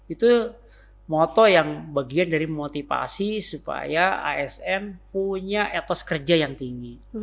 itu moto yang bagian dari motivasi supaya asn punya etos kerja yang tinggi